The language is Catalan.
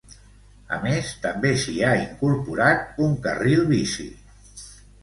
A més, també s'hi ha incorporat un carril bici.